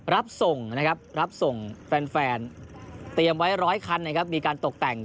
รับส่งนะครับรับส่งแฟนเตรียมไว้ร้อยคันนะครับมีการตกแต่ง